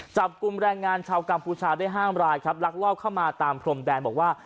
จับกลุ่มแรงงานชาวกัมพูชาได้ห้ามรายครับลักลอบเข้ามาตามพรมแดนบอกว่า